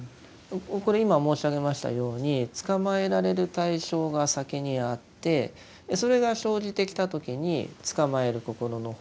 これ今申し上げましたようにつかまえられる対象が先にあってそれが生じてきた時につかまえる心の方が生じていると。